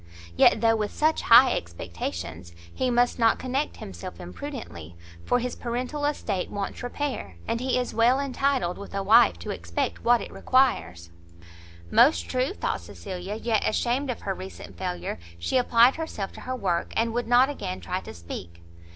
Yet though with such high expectations, he must not connect himself imprudently; for his paternal estate wants repair, and he is well entitled with a wife to expect what it requires." Most true! thought Cecilia, yet ashamed of her recent failure, she applied herself to her work, and would not again try to speak.